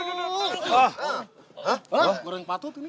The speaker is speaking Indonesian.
ngerayain patut ini